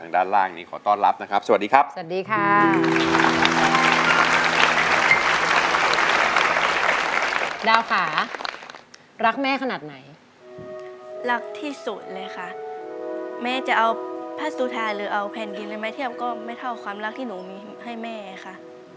ดาวค่ะรักแม่ขนาดไหนรักที่สุดเลยค่ะแม่จะเอาผ้าสุทาหรือเอาแผ่นกินเลยไหมเทียบก็ไม่เท่าความรักที่หนูมีให้แม่ค่ะ